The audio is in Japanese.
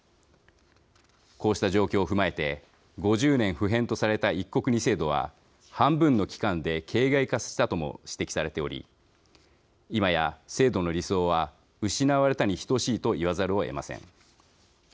こうした状況を踏まえて５０年不変とされた一国二制度は半分の期間で形骸化したとも指摘されており今や制度の理想は失われたに等しいと言わざるをえません。